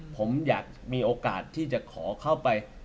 ผมอยากมีโอกาสที่จะขอเข้าไป